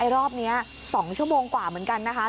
รอบนี้๒ชั่วโมงกว่าเหมือนกันนะคะ